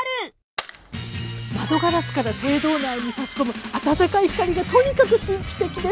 窓ガラスから聖堂内に差し込む温かい光がとにかく神秘的です。